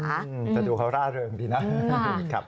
แต่ดูเขาร่าเริงดีนะ